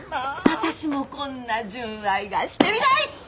私もこんな純愛がしてみたい！